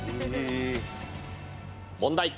問題。